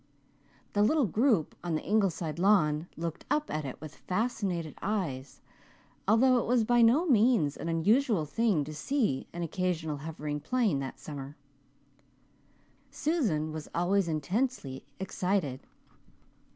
The little group on the Ingleside lawn looked up at it with fascinated eyes, although it was by no means an unusual thing to see an occasional hovering plane that summer. Susan was always intensely excited.